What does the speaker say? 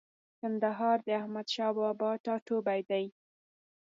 کندهار د احمدشاه بابا ټاټوبۍ دی.